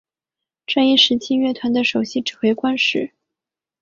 这一时期乐团的首席指挥是。